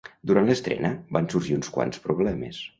Durant l'estrena van sorgir uns quants problemes.